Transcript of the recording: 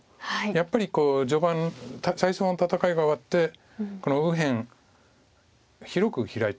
やっぱり序盤最初の戦いが終わってこの右辺広くヒラいた黒が。